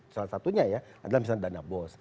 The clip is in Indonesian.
salah satunya ya adalah misalnya dana bos